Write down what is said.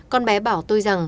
con bé bảo tôi rằng